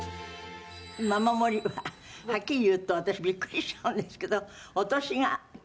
「ママ森ははっきり言うと私ビックリしちゃうんですけど」